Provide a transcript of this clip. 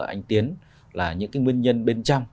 anh tiến là những cái nguyên nhân bên trong